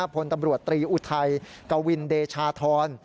พลตำรวจตรีอุทัยกวินเดชาธร